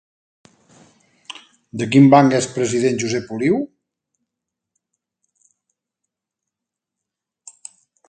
De quin banc és president Josep Oliu?